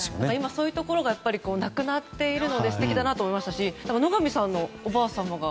そういうところがなくなっているので素敵だなと思いましたし野上さんのおばあ様が。